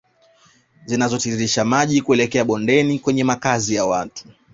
Zinazotiririsha maji kuelekea bondeni kwenye makazi ya watu